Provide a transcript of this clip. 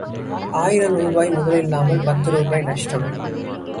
ஆயிரம் ரூபாய் முதலில்லாமல் பத்து ரூபாய் நஷ்டம்.